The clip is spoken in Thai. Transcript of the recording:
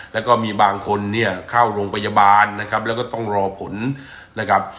แล้วก็มีบางคนเนี่ยเข้าโรงพยาบาลนะครับแล้วก็ต้องรอผลนะครับ